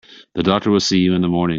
The doctor will see you in the morning.